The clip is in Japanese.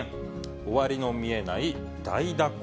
終わりの見えない大蛇行。